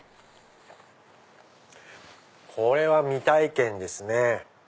これは未体験ですね。